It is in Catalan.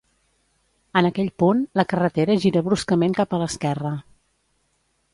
En aquell punt la carretera gira bruscament cap a l'esquerra.